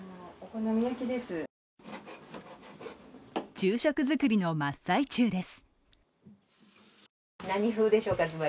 昼食作りの真っ最中です。